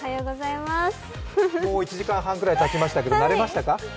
もう時間半ぐらいたちましたが、慣れましたか？